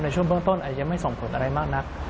ช่วงเบื้องต้นอาจจะไม่ส่งผลอะไรมากนัก